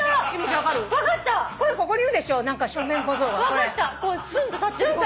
分かったつんと立ってる子が。